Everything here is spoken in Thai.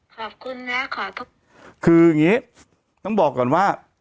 ขอบคุณนะคอธบิการคืองี้ต้องบอกก่อนว่า